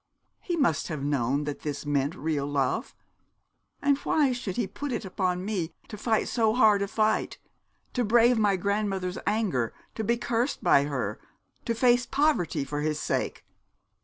He must have known that this meant real love. And why should he put it upon me to fight so hard a fight to brave my grandmother's anger to be cursed by her to face poverty for his sake?